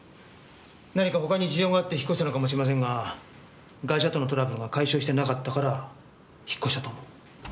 何か他に事情があって引っ越したのかもしれませんがガイシャとのトラブルが解消してなかったから引っ越したとも。